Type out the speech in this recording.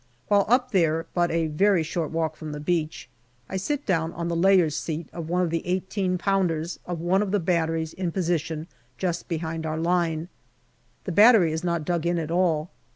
While up there, but a very short walk from the beach, I sit down on the layer's seat of one of the i8 pounders of one of the batteries in position just behind our line. The battery is not dug in at all.